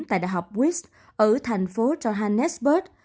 tại đại học wyss ở thành phố johannesburg